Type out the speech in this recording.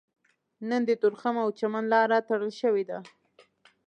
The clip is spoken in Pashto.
نن د تورخم او چمن لاره تړل شوې ده